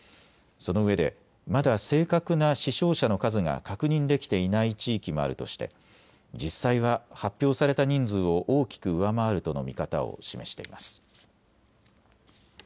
そのうえでまだ正確な死傷者の数が確認できていない地域もあるとして実際は発表された人数を大きく上回るとの見方を示しています。